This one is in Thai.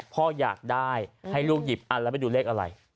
พ่ออยากได้ให้ลูกหยิบอันแล้วไปดูเลขอะไร